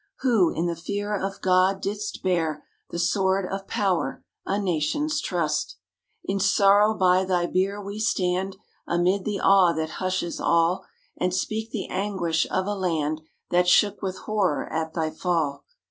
Who, in the fear of God, didst bear The sword of power, a Nation's trust!_ _In sorrow by thy bier we stand, Amid the awe that hushes all, And speak the anguish of a land That shook with horror at thy fall.